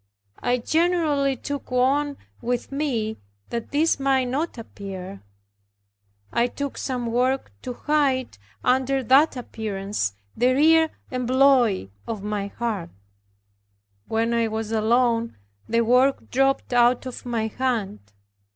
I generally took one with me, that this might not appear. I took some work, to hide under that appearance the real employ of my heart. When I was alone, the work dropped out of my hand.